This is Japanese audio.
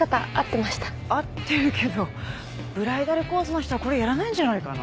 合ってるけどブライダルコースの人はこれやらないんじゃないかな？